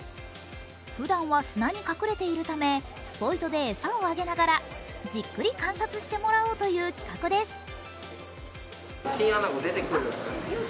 ふだんは砂に隠れているためスポイトで餌をあげながらじっくり観察してもらおうという企画です。